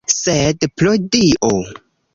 Sed, pro Dio!